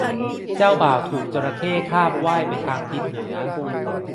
เจ้าบ่าวถูกจระเข้คาบว่ายไปทางทิศเหนือ